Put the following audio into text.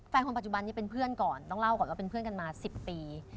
คนปัจจุบันนี้เป็นเพื่อนก่อนต้องเล่าก่อนว่าเป็นเพื่อนกันมา๑๐ปี